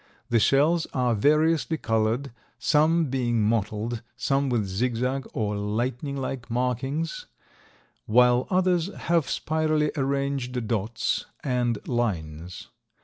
The shells are variously colored, some being mottled, some with zigzag or lightning like markings, while others have spirally arranged dots and lines.